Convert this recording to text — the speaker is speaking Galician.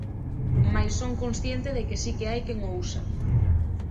Mais son consciente de que si que hai quen o usa.